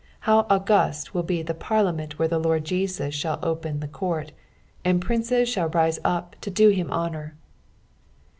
How august will be the parlisment where the Loid Jesus shall open the court, and princes shall rise up to do him honour!